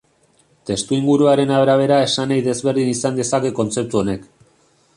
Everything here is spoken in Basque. Testuinguruaren arabera esanahi desberdin izan dezake kontzeptu honek.